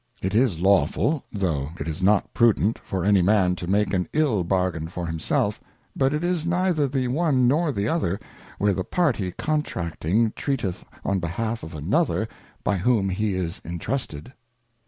It is lawful, though it is not prudent for any man to make an ill Bargain for himself, but it is neither the one nor the other, where the party contracting treateth on behalf of another. 126 The Anatomy of an Equivalent. another, by whom he is intrusted.